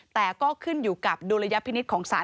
แต่ก็ขึ้นอยู่กับดุลยพินิษฐ์ของสาร